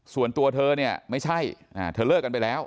ส่วนตัวเธอเนี่ยไม่ใช่เธอเลิกกันไปแล้ว